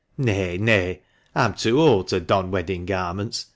Nay, nay ; I'm too old to don weddin' garments.